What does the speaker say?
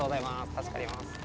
助かります。